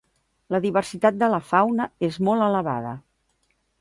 La diversitat de la fauna és molt elevada.